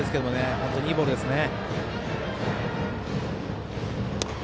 本当にいいボールですね。